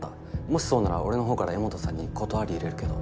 もしそうなら俺の方から江本さんに断り入れるけど。